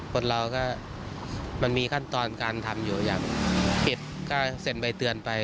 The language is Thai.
คนเราก็มันมีขั้นตอนการทำอยู่อย่างผิดก็เซ็นใบเตือนไป